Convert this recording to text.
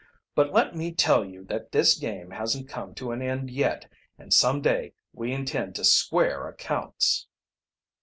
But let me tell you that this game hasn't come to an end yet, and some day we intend to square accounts."